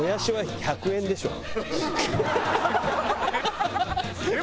１００円からでしょうね。